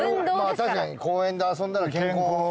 確かに公園で遊んだら健康。